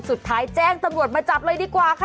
สุดท้ายแจ้งตำรวจมาจับเลยดีกว่าค่ะ